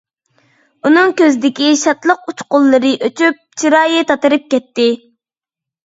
ئۇنىڭ كۆزىدىكى شادلىق ئۇچقۇنلىرى ئۆچۈپ، چىرايى تاتىرىپ كەتتى.